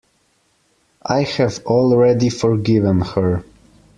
I have already forgiven her.